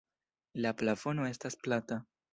La plafono estas plata.